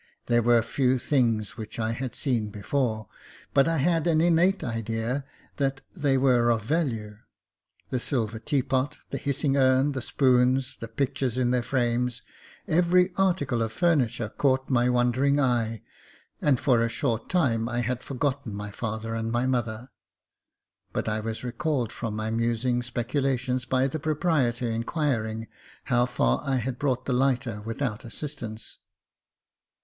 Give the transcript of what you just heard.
There were few things which I had seen before, but I had an innate idea that they were of value. The silver tea pot, the hissing urn, the spoons, the pictures in their frames, every article of furniture, caught my wondering eye, and for a short time I had forgotten my father and my mother ; but I was recalled from my musing speculations by the proprietor inquiring how far I had brought the lighter without assistance.